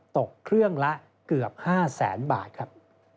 ตกเครื่องละเกือบ๕แสนบาทครับ